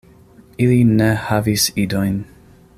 Ili ne havis idojn.